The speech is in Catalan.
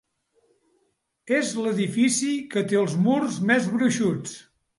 És l'edifici que té els murs més gruixuts.